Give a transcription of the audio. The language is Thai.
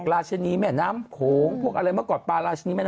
ราชนีแม่น้ำโขงพวกอะไรเมื่อก่อน